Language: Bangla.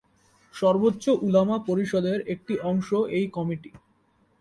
সর্বোচ্চ উলামা পরিষদের একটি অংশ এই কমিটি।